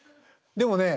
でもね